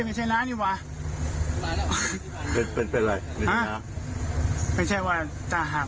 มันไม่ใช่น้านนี่วะเป็นเป็นเป็นอะไรไม่ใช่ไม่ใช่ว่าตระหับ